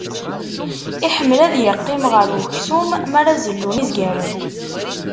Iḥemmel ad yeqqim ɣer uksum m'ara zellun izgaren.